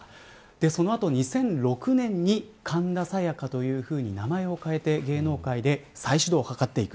その後、２００６年に神田沙也加と名前を変えて芸能界で再始動をはかっていく。